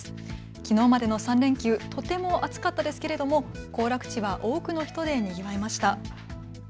きのうまでの３連休、とても暑かったですけれども行楽地は多くの人でにぎわいました。